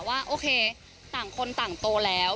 ว่าโอเคต่างคนต่างโตแล้ว